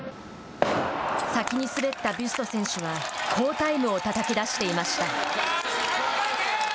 先に滑ったビュスト選手は好タイムをたたき出していました。